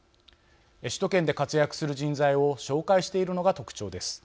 首都圏で活躍する人材を紹介しているのが特徴です。